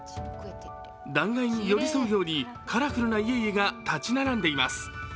断崖に寄り添うようにカラフルな家々が立ち並んでいます。